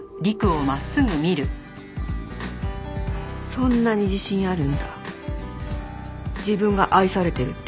そんなに自信あるんだ自分が愛されてるっていう。